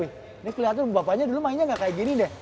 ini kelihatan bapaknya dulu mainnya gak kayak gini deh